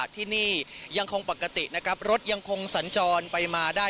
ที่นี่ยังคงปกตินะครับรถยังคงสัญจรไปมาได้